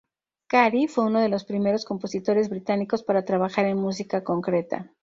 Cary fue uno de los primeros compositores británicos para trabajar en música concreta.